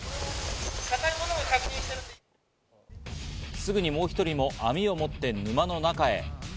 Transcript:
すぐに、もう一人も網を持って沼の中へ。